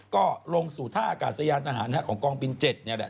ก็ลงสู่ท่ากาศยานอาหารของกองปิน๗อยู่นั่นแหละ